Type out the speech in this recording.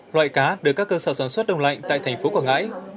loại cá được các cơ sở sản xuất đông lạnh tại thành phố quảng ngãi